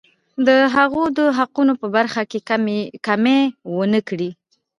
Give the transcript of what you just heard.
د هغوی د حقونو په برخه کې کمی ونه کړي.